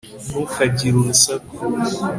ntukagire urusaku